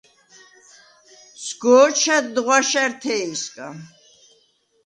სგო̄ჩა̈დდ ღვაშა̈რთე̄ჲსგა.